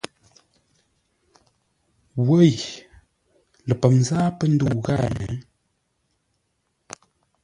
Wěi! Ləpəm zâa pə́ ndə́u ghâa hěiŋ!